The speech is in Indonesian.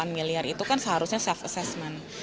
delapan miliar itu kan seharusnya self assessment